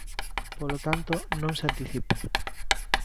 Polo tanto, non se anticipe.